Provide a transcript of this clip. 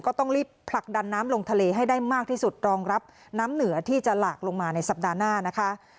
ก็ต้องรีบผลักดันน้ำลงทะเลให้ได้มากที่สุดรองรับน้ำเหนือที่จะหลากลงมาในสัปดาห์หน้านะคะ